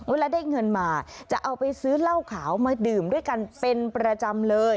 เวลาได้เงินมาจะเอาไปซื้อเหล้าขาวมาดื่มด้วยกันเป็นประจำเลย